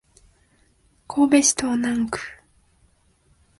神戸市東灘区